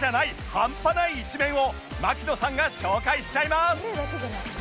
半端ない一面を槙野さんが紹介しちゃいます